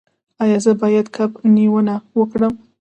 ایا زه باید کب نیونه وکړم؟